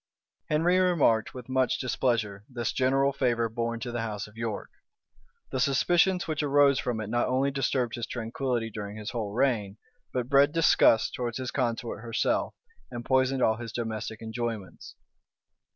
Henry remarked with much displeasure this general favor borne to the house of York. The suspicions which arose from it not only disturbed his tranquillity during his whole reign, but bred disgust towards his consort herself, and poisoned all his domestic enjoyments.